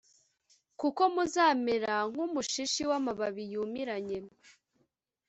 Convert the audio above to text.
kuko muzamera nk’umushishi w’amababi yumiranye,